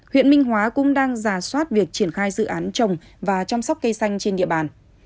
huyện minh hóa cũng đang giả soát việc triển khai dự án trồng và chăm sóc cây xanh trên địa bàn